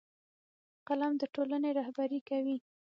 قلم د ټولنې رهبري کوي